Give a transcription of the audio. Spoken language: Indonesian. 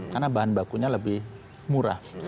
karena bahan bakunya lebih murah